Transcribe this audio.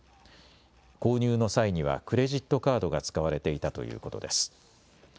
購入の際にはクレジットカードが使われていたということです。